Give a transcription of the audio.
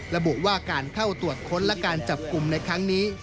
ระบุว่าการเข้าตรวจค้นและการจับกลุ่มในครั้งนี้